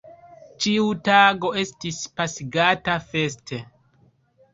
Ĉiu tago estis pasigata feste.